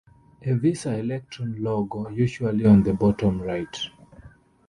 A Visa Electron logo, usually on the bottom right.